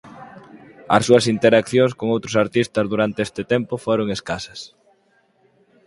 As súas interaccións con outros artistas durante este tempo foron escasas.